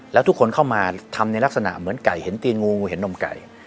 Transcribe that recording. แล้วทุกคนเข้ามาทำในลักษณะเหมือนไก่เห็นตีนงูเห็นนมไก่